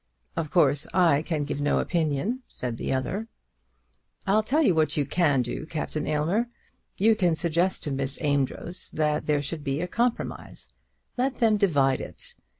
"Of course I can give no opinion," said the other. "I'll tell you what you can do, Captain Aylmer. You can suggest to Miss Amedroz that there should be a compromise. Let them divide it.